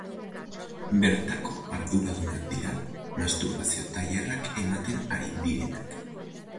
Bertako arduradunak dira, masturbazio tailerrak ematen ari direnak.